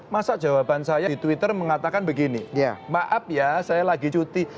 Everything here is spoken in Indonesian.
masa jawaban saya di twitter mengatakan begini maaf ya saya lagi cuti